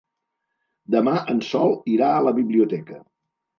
Demà en Sol irà a la biblioteca.